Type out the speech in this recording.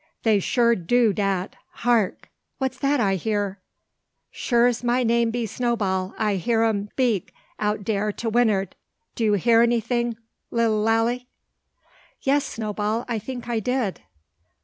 Dey sure do dat! Hark! what's dat I heer? Sure's my name be Snowball, I hear some 'un 'peak out dere to win'ard. D'you hear anything, lilly Lally?" "Yes, Snowball: I think I did."